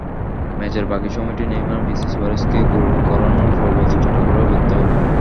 ম্যাচের বাকি সময়টি নেইমার-মেসি সুয়ারেজকে গোল করানোর প্রবল চেষ্টা করেও ব্যর্থ হলেন।